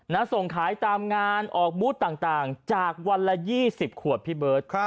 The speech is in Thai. ๑๐๐น้าส่งขายตามงานออกบุ๊ตต่างจากวันละ๒๐ขวดพี่เบิ้ด